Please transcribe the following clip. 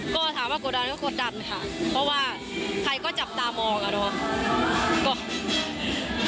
ก็ถามว่ากดดันก็กดดันค่ะเพราะว่าใครก็จับตามองอ่ะเนาะ